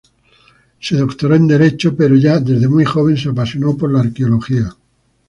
Se doctoró en derecho, pero ya desde muy joven se apasionó por la arqueología.